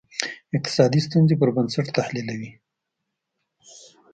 اقتصادي ستونزې پر بنسټ تحلیلوي.